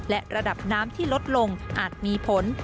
และระดับน้ำที่ลดลงอาจมีผล